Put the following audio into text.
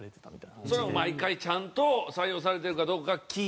それを毎回ちゃんと採用されてるかどうか聴いて。